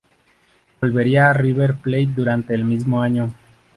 Volvería a River Plate durante el mismo año.